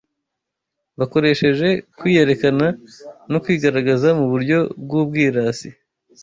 bakoresheje kwiyerekana no kwigaragaza mu buryo bw’ubwirasi